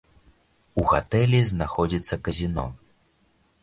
У гатэлі знаходзіцца казіно.